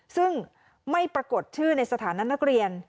ซึ่งไม่ปรากฏชื่อในสถานะนักเรียน